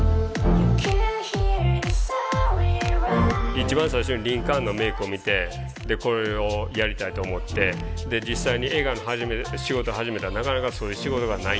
一番最初にリンカーンのメイクを見てこれをやりたいと思ってで実際に映画の仕事始めたらなかなかそういう仕事がない。